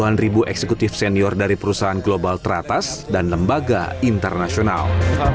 berjaya untuk menemukan ribu eksekutif senior dari perusahaan global teratas dan lembaga internasional